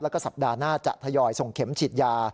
แล้วก็สัปดาห์หน้าจะทยอยส่งเข็มฉีดยา